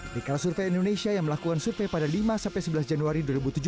likara survei indonesia yang melakukan survei pada lima sebelas januari dua ribu tujuh belas